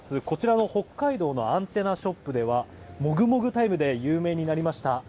こちらの北海道のアンテナショップではもぐもぐタイムで有名になりました